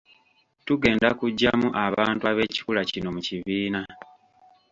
Tugenda kuggyamu abantu ab'ekikula kino mu kibiina.